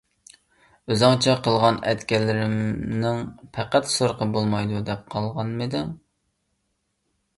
ئۆزۈڭچە قىلغان - ئەتكەنلىرىمنىڭ پەقەت سورىقى بولمايدۇ، دەپ قالغانمىدىڭ؟